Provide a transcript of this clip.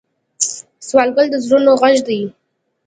سوالګر د زړونو غږ دی